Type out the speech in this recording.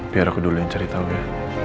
biar aku dulu yang cari tahu ya